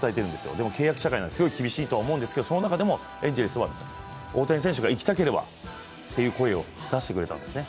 でも契約社会なんで厳しいと思うんですけどその中でもエンゼルスは大谷選手がいきたければという声を出してくれたんですね。